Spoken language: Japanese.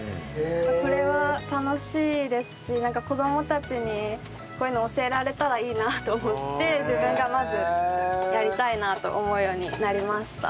これは楽しいですし子供たちにこういうの教えられたらいいなって思って自分がまずやりたいなと思うようになりました。